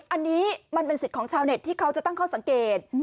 อันนี้มันเป็นสิทธิ์ของชาวเน็ตที่เขาจะตั้งข้อสังเกต